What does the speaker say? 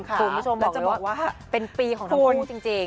คุณผู้ชมบอกเลยว่าเป็นปีของทั้งคู่จริง